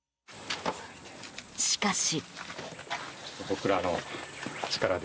しかし。